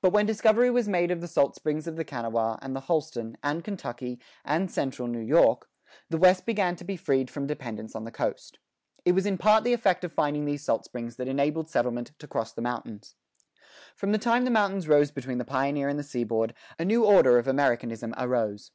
But when discovery was made of the salt springs of the Kanawha, and the Holston, and Kentucky, and central New York, the West began to be freed from dependence on the coast. It was in part the effect of finding these salt springs that enabled settlement to cross the mountains. From the time the mountains rose between the pioneer and the seaboard, a new order of Americanism arose.